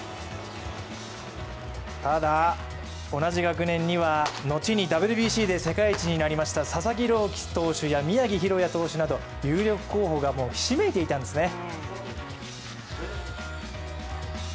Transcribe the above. ただ、同じ学年には後にＷＢＣで世界一になりました佐々木朗希投手や、宮城大弥投手など有力候補がひしめいていたんですね。